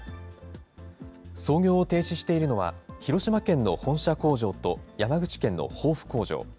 操業を停止しているのは、広島県の本社工場と、山口県の防府工場。